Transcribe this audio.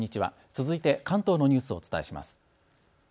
続いて、関東のニュースをお伝えします。